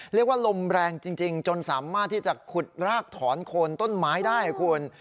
เรียกว่าลมแรงจริงจนสามารถที่จะขุดรากถอนคนต้นไม้ได้ครับคุณ